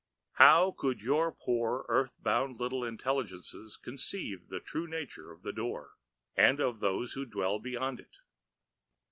"How could your poor, earth bound little intelligences conceive the true nature of the Door and of those who dwell beyond it?